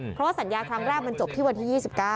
เพราะว่าสัญญาครั้งแรกมันจบที่วันที่๒๙